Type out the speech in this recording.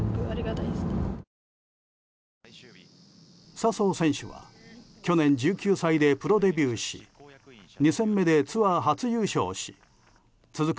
笹生選手は去年１９歳でプロデビューし２戦目でツアー初優勝し続く